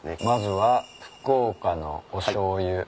まずは福岡のおしょうゆ。